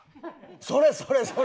それそれそれ！